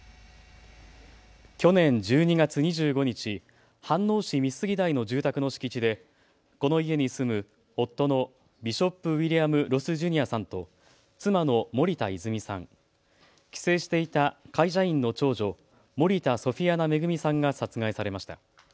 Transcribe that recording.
去年１２月２５日、飯能市美杉台の住宅の敷地でこの家に住む夫のビショップ・ウィリアム・ロス・ジュニアさんと妻の森田泉さん、帰省していた会社員の長女、森田ソフィアナ恵さんが殺害されました。